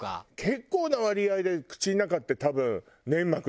結構な割合で口の中って多分粘膜だし。